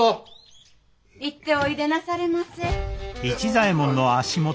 行っておいでなされませ。